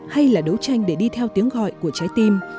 hay là đấu tranh để đi theo tiếng gọi của trái tim